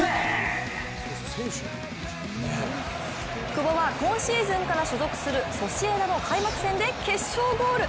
久保は今シーズンから所属するソシエダの開幕戦で決勝ゴール。